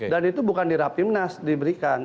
dan itu bukan dirapimnas diberikan